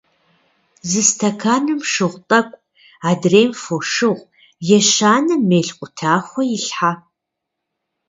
Зы стэканым шыгъу тӀэкӀу, адрейм — фошыгъу, ещанэм — мел къутахуэ илъхьэ.